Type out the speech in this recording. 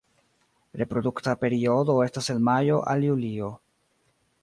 Reprodukta periodo estas el majo al julio.